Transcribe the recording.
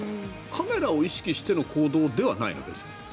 カメラを意識しての行動ではないの？